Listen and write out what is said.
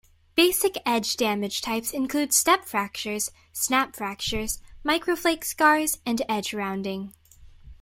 Basic edge damage types include step fractures, snap fractures, micro-flake scars, and edge rounding.